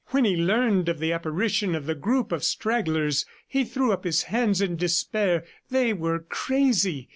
When he learned of the apparition of the group of stragglers he threw up his hands in despair. They were crazy.